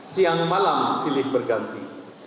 siang malam silik berganti